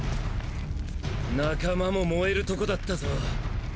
仲間も燃えるとこだったぞ。